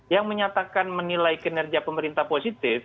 yang menyatakan menilai kinerja pemerintah positif